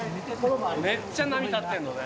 めっちゃ波立ってるのね。